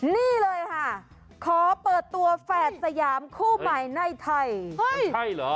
นี่เลยค่ะขอเปิดตัวแฝดสยามคู่ใหม่ในไทย